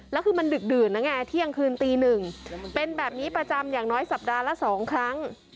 แล้วคือมันดึกดื่นนะไงเที่ยงคืนตีหนึ่งเป็นแบบนี้ประจำอย่างน้อยสัปดาห์ละ๒ครั้ง